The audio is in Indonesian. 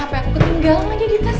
mana hape aku ketinggalan aja di tas